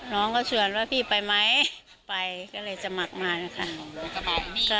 น้องก็ชวนว่าพี่ไปไหมไปก็เลยสมัครมานะคะ